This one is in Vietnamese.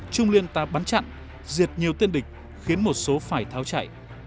trung liên ta bắn chặn diệt nhiều tiên địch khiến một số phải tháo chạy